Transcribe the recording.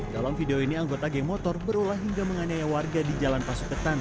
dalam video ini anggota geng motor berulah hingga menganiaya warga di jalan pasuketan